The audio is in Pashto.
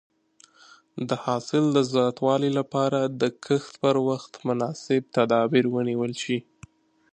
د حاصل د زیاتوالي لپاره د کښت پر وخت مناسب تدابیر ونیول شي.